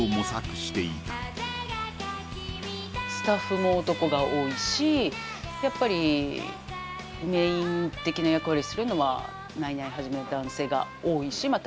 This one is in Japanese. スタッフも男が多いしやっぱりメイン的な役割するのはナイナイはじめ男性が多いしまあ